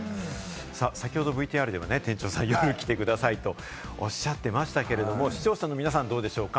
ＶＴＲでも店長さん、夜に来てくださいとおっしゃっていましたけれども、視聴者の皆さんはどうでしょうか。